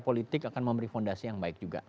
politik akan memberi fondasi yang baik juga